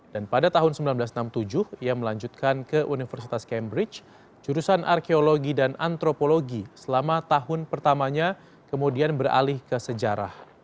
dan pada tahun seribu sembilan ratus enam puluh tujuh ia melanjutkan ke universitas cambridge jurusan arkeologi dan antropologi selama tahun pertamanya kemudian beralih ke sejarah